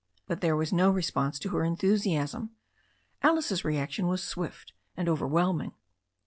But there was no response to her enthusiasm. Alice's reaction was swift and overwhelming.